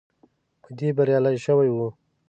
په دې بریالی شوی وو.